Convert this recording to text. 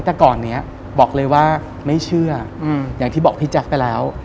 แต่ก่อนนี้บอกเลยว่าไม่เชื่ออย่างที่บอกพี่แจ๊คไปแล้ว